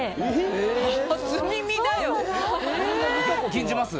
吟じます？